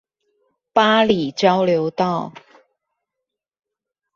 八里交流道